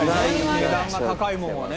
値段が高いものはね。